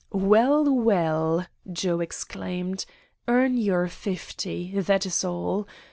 "'Well, well,' Joe exclaimed; 'earn your fifty, that is all.